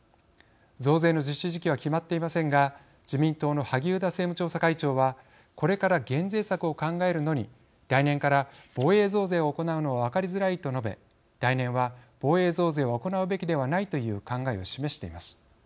増税の実施時期は決まっていませんが自民党の萩生田政務調査会長は「これから減税策を考えるのに来年から防衛増税を行うのは分かりづらい」と述べ来年は防衛増税を行うべきではないという考えを示しています。